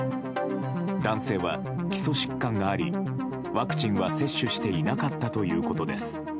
男性は基礎疾患がありワクチンは接種していなかったということです。